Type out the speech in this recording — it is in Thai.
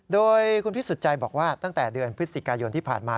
โดยคุณพิสุทธิ์ใจบอกว่าตั้งแต่เดือนพฤศจิกายนที่ผ่านมา